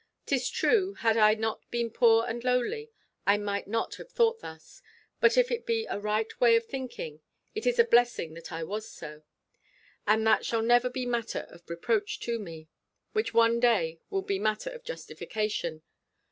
'Tis true had I not been poor and lowly, I might not have thought thus; but if it be a right way of thinking, it is a blessing that I was so; and that shall never be matter of reproach to me, which one day will be matter of justification.